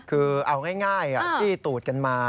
คือเอาง่ายจี้ตูดกันมา